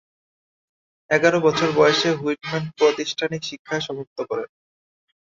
এগারো বছর বয়সে হুইটম্যান প্রাতিষ্ঠানিক শিক্ষা সমাপ্ত করেন।